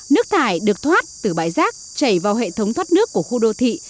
nước thải được thoát từ bãi rác chảy vào hệ thống thoát nước của khu đô thị